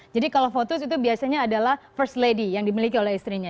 kalau votus itu biasanya adalah first lady yang dimiliki oleh istrinya